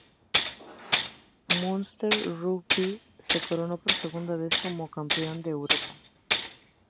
Munster Rugby se coronó por segunda vez como Campeón de Europa.